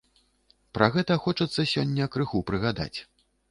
Пра гэта хочацца сёння крыху прыгадаць.